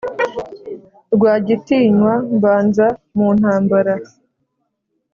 Rwagitinywa mbanza mu ntambara